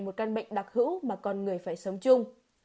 một căn bệnh đặc hữu mà con người phải sống chung